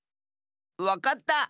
わかった！